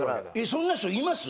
そんな人います？